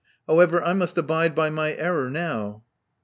However, I must abide by my error now.